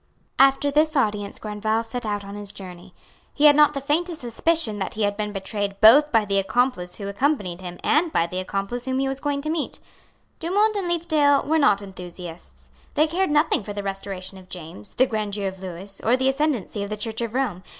After this audience Grandval set out on his journey. He had not the faintest suspicion that he had been betrayed both by the accomplice who accompanied him and by the accomplice whom he was going to meet. Dumont and Leefdale were not enthusiasts. They cared nothing for the restoration of James, the grandeur of Lewis, or the ascendency of the Church of Rome.